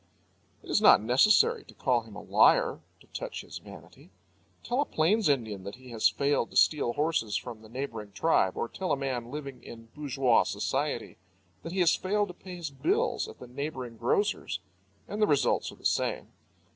It is not necessary to call him a liar to touch his vanity. Tell a plains Indian that he has failed to steal horses from the neighbouring tribe, or tell a man living in bourgeois society that he has failed to pay his bills at the neighbouring grocer's, and the results are the same.